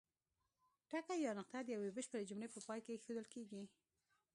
ټکی یا نقطه د یوې بشپړې جملې په پای کې اېښودل کیږي.